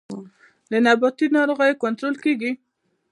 د نباتي ناروغیو کنټرول کیږي